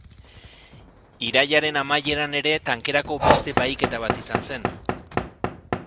Irailaren amaieran ere, tankerako beste bahiketa bat izan zen.